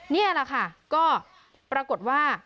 นี่แหละค่ะก็ปรากฏว่า